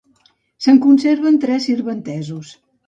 Se'n conserven tres sirventesos.